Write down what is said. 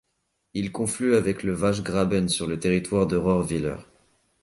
Il conflue avec le Waschgraben sur le territoire de Rohrwiller.